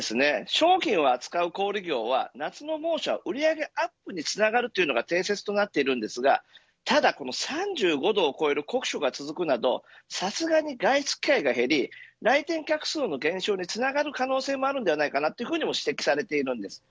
商品を扱う小売業は、夏の猛暑は売り上げアップにつながるというのが定説となっているんですがただ、この３５度を超える酷暑が続くとなるとさすがに外出機会が減り来店客数の減少につながる可能性もあるのではないかと指摘されているんです。